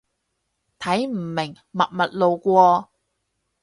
睇唔明，默默路過